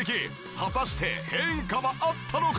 果たして変化はあったのか？